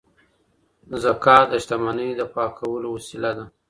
زکات د شتمنۍ د پاکولو وسیله ده.